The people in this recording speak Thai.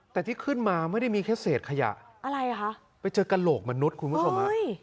แต่ที่ขึ้นมาไม่ได้มีแค่เศษขยะอะไรอ่ะคะไปเจอกระโหลกมนุษย์คุณผู้ชมฮะ